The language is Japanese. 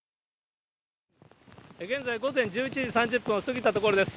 現在、午前１１時３０分を過ぎたところです。